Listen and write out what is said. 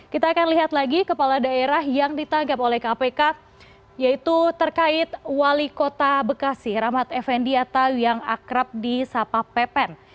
kita akan lihat lagi kepala daerah yang ditanggap oleh kpk yaitu terkait wali kota bekasi rahmat effendi atau yang akrab di sapa pepen